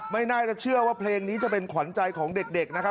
ไม่น่าจะเชื่อว่าเพลงนี้จะเป็นขวัญใจของเด็กนะครับ